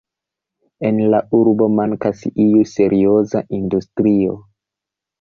En la urbo mankas iu serioza industrio.